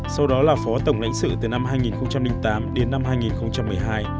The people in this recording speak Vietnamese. sau đó là phó tổng lãnh sự từ năm hai nghìn tám đến năm hai nghìn một mươi hai